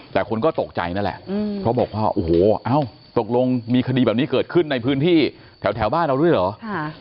แต่คนก็ตกใจนั่นแหละเพราะบอกว่าโอ้โหเอ้าตกลงมีคดีแบบนี้เกิดขึ้นในพื้นที่แถวบ้านเราด้วยเหรอ